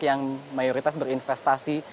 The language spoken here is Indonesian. yang mayoritas berinvestasi